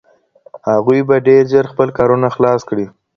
هغوی به ډېر ژر خپل کارونه خلاص کړي.